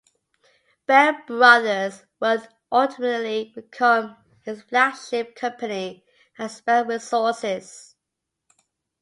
Bell brothers would ultimately become his flagship company as Bell Resources.